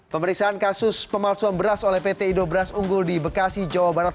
pemeriksaan kasus pemalsuan beras oleh pt indobras unggul di bekasi jawa barat